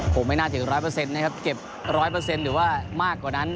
ไม่น่าถึง๑๐๐นะครับเก็บ๑๐๐หรือว่ามากกว่านั้น